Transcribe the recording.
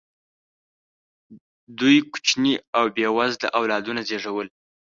دوی کوچني او بې وزله اولادونه زېږول.